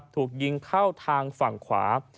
ถูกยิงเข้าทางฝั่งขวา